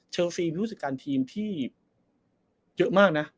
ฟรีมีผู้จัดการทีมที่เยอะมากนะ